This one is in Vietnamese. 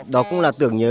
đó cũng là tưởng nhớ